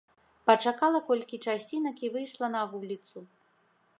Пачакала колькі часінак і выйшла на вуліцу.